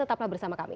tetaplah bersama kami